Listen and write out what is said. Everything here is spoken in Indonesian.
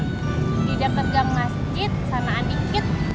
di deket gang masjid sanaan dikit